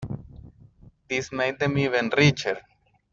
This made them even richer.